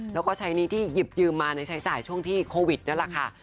แล้วก็ใช้หนี้ที่หยิบยืมมาในใช้จ่ายช่วงที่โควิดนั่นแหละค่ะ